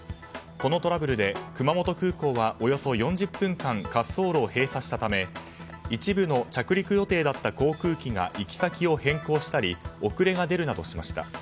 このトラブルで熊本空港はおよそ４０分間滑走路を閉鎖したため一部の着陸予定だった航空機が行き先を変更したり遅れが出るなどしました。